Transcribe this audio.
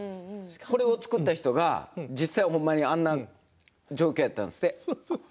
これを作った人が実際ああいう状況だったんですって。